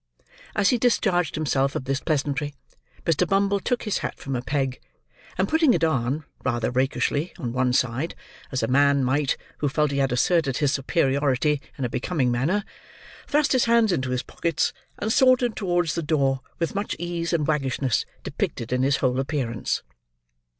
As he discharged himself of this pleasantry, Mr. Bumble took his hat from a peg, and putting it on, rather rakishly, on one side, as a man might, who felt he had asserted his superiority in a becoming manner, thrust his hands into his pockets, and sauntered towards the door, with much ease and waggishness depicted in his whole appearance.